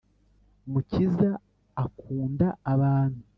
Mukiza akunda abantu.